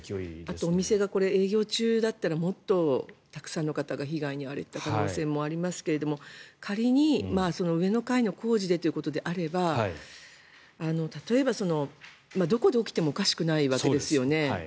あとお店が営業中だったらもっとたくさんの方が被害に遭われていた可能性もありますが仮に上の階の工事でということであれば例えば、どこで起きてもおかしくないわけですよね。